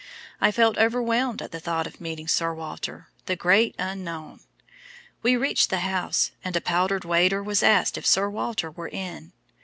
I felt overwhelmed at the thought of meeting Sir Walter, the Great Unknown. We reached the house, and a powdered waiter was asked if Sir Walter were in.